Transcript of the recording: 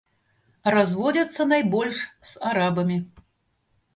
Разводзяцца найбольш з арабамі.